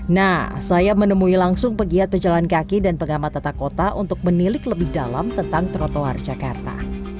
nah saya menemui langsung pegiat pejalan kaki dan pengamat tata kota untuk menilik lebih dalam tentang trotoar jakarta